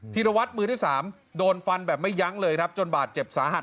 ีรวัตรมือที่สามโดนฟันแบบไม่ยั้งเลยครับจนบาดเจ็บสาหัส